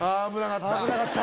危なかった！